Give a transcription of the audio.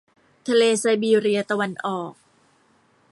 ทะเลไซบีเรียตะวันออก